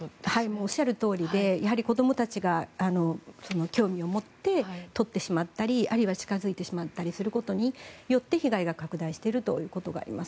おっしゃるとおりで子どもたちが興味を持って取ってしまったり、あるいは近付いてしまうことによって被害が拡大しているということがあります。